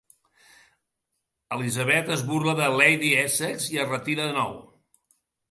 Elisabet es burla de Lady Essex i es retira de nou.